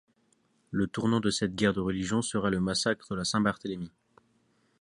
Le tournant de cette guerre de religion sera le Massacre de la Saint-Barthélemy.